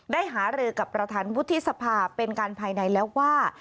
หารือกับประธานวุฒิสภาเป็นการภายในแล้วว่า